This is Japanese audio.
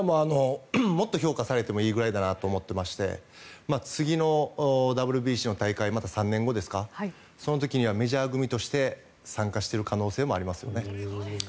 もっと評価されてもいいくらいだと思っていまして次のＷＢＣの大会また３年後ですかその時にはメジャー組として参加している可能性もありますよね。